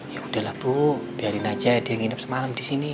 yaudah lah bu biarin aja dia nginep semalam disini